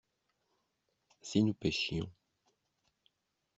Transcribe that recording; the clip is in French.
Si nous pêchions.